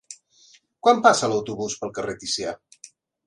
Quan passa l'autobús pel carrer Ticià?